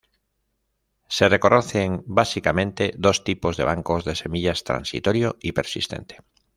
Se reconocen básicamente dos tipos de bancos de semillas: transitorio y persistente.